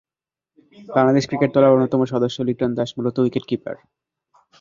Bangladesh cricket দলের অন্যতম সদস্য লিটন দাস মূলত উইকেট-কিপার।